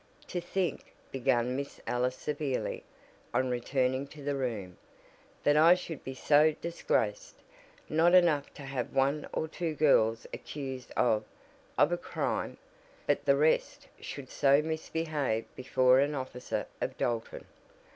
"To think," began Miss Ellis severely, on returning to the room, "that I should be so disgraced. Not enough to have one or two girls accused of of a crime but that the rest should so misbehave before an officer of Dalton!